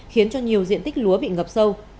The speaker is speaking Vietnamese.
khiến cho nhiều diện tích lúa bị ngập sâu